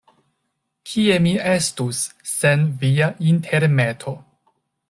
Kie mi estus sen via intermeto?